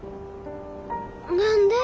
何で？